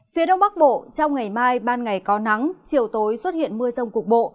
phía đông bắc bộ trong ngày mai ban ngày có nắng chiều tối xuất hiện mưa rông cục bộ